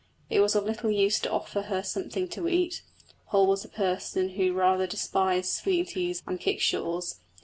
It was of little use to offer her something to eat. Poll was a person who rather despised sweeties and kickshaws.